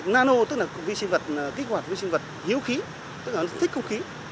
nano tức là vi sinh vật kích hoạt vi sinh vật hiếu khí tức là thích không khí